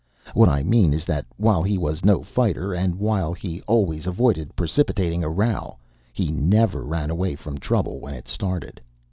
What I mean is that while he was no fighter, and while he always avoided precipitating a row, he never ran away from trouble when it started.